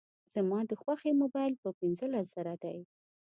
زما د خوښي موبایل په پینځلس زره دی